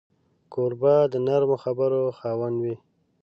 کوربه د نرمو خبرو خاوند وي.